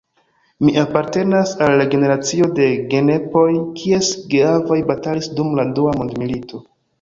Mi apartenas al la generacio de genepoj, kies geavoj batalis dum la dua mondmilito.